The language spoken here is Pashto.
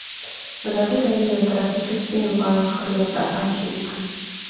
ازادي راډیو د ټرافیکي ستونزې په اړه د خلکو احساسات شریک کړي.